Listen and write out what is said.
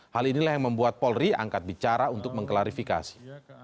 hal inilah yang membuat polri angkat bicara untuk mengklarifikasi